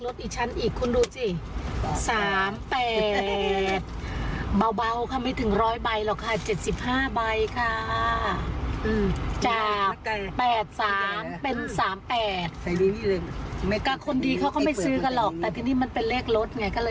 เลขรถอีกชั้นอีกคุณดูสิ๓๘เบาค่ะไม่ถึงร้อยใบหรอกค่ะ๗๕ใบค่ะ